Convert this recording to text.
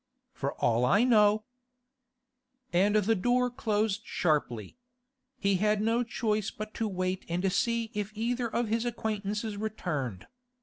'For all I know.' And the door closed sharply. He had no choice but to wait and see if either of his acquaintances returned.